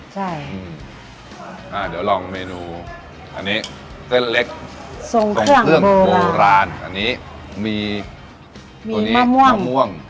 ใช่เดี๋ยวลองเมนูอันนี้เส้นเล็กทรงเครื่องโบราณอันนี้มีตัวนี้มะม่วง